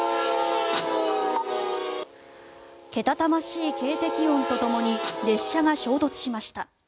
けたたましい警笛音とともに列車が衝突しました。